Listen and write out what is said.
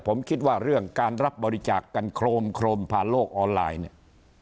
ผมคิดว่าเรื่องการรับบริจาคกันโครมโครมผ่านโลกออนไลน์เนี่ย